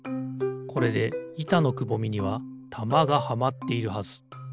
これでいたのくぼみにはたまがはまっているはず。